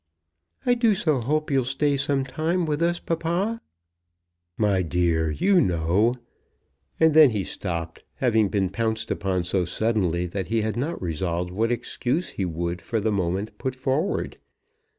"I do so hope you'll stay some time with us, papa." "My dear, you know " And then he stopped, having been pounced upon so suddenly that he had not resolved what excuse he would for the moment put forward.